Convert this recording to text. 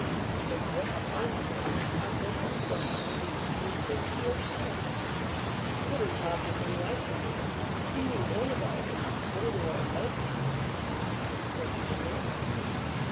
'From what I'm told I thought you'd perhaps been keeping things to yourself. 'Twouldn't have been unlike you, mother. He knew all about us, so the lawyer tells me.' 'The lawyer?